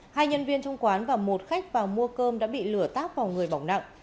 hai nhân viên trong quán và một khách vào mua cơm đã bị lửa táp vào người bỏng nặng